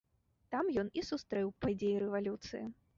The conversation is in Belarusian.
Там ён і сустрэў падзеі рэвалюцыі.